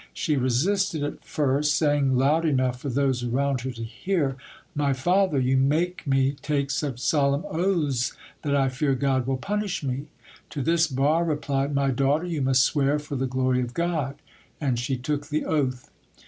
She resisted at first, saying loud enough for those around her to hear— "My father, you make me take such solemn oaths that I fear God will punish me." To this Barre replied— "My daughter, you must swear for the glory of God." And she took the oath.